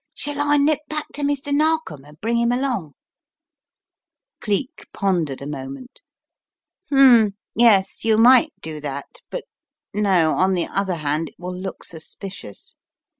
"Shall I nip back to Mr. Narkom and bring him along?" Cleek pondered a moment. "ffmn, yes, you might do that, but no, on the other hand, it will look suspicious.